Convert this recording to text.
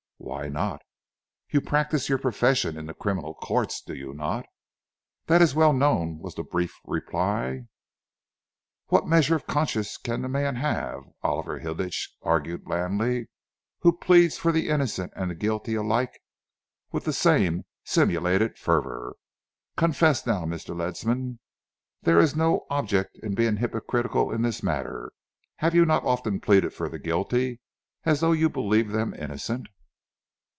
"Why not? You practise your profession in the criminal courts, do you not?" "That is well known," was the brief reply. "What measure of conscience can a man have," Oliver Hilditch argued blandly, "who pleads for the innocent and guilty alike with the same simulated fervour? Confess, now, Mr. Ledsam there is no object in being hypocritical in this matter have you not often pleaded for the guilty as though you believed them innocent?"